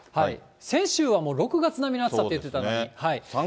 先週はもう６月並みの暑さと言っていたのに。